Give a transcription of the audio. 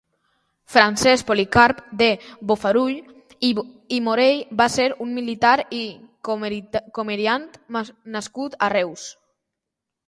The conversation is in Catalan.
Francesc Policarp de Bofarull i Morell va ser un militar i comeriant nascut a Reus.